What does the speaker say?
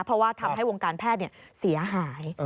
เพราะว่าทำให้วงการแพทย์เสียหาย